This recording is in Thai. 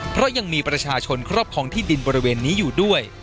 เพราะยังมีประชาชนครอบครองที่ดินบริเวณนี้อยู่ด้วย